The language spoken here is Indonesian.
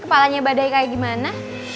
kepalanya badai kayak gimana